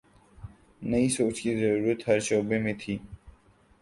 نئی سوچ کی ضرورت ہر شعبے میں تھی۔